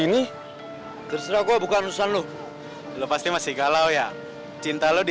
iif terserah buat berenti saya klink barad class a onder cewek nide